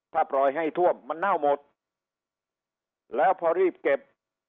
ถ้าปล่อยให้ท่วมมันเน่าหมดแล้วพอรีบเก็บ